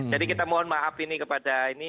jadi kita mohon maaf ini kepada ini